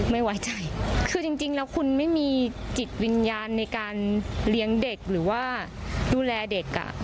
ไว้ใจคือจริงแล้วคุณไม่มีจิตวิญญาณในการเลี้ยงเด็กหรือว่าดูแลเด็กอ่ะ